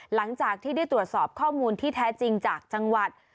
หลังจากที่ได้ตรวจสอบข้อมูลที่แท้จริงจากจังหวัด